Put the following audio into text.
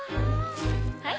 はい。